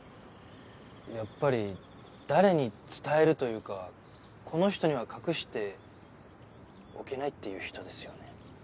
やっぱり誰に伝えるというかこの人には隠しておけないっていう人ですよね。